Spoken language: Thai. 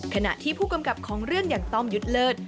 ขณะที่ผู้กำกับของเรื่องอย่างต้อมยุทธ์เลิศ